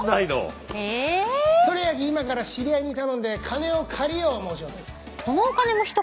それやき今から知り合いに頼んで金を借りよう思うちょる。